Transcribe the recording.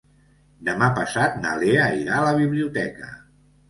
Demà passat na Lea irà a la biblioteca.